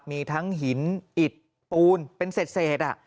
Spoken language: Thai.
มีทั้งหินอิดปูนเป็นเศษ